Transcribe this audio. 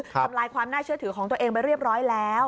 ทำลายความน่าเชื่อถือของตัวเองไปเรียบร้อยแล้ว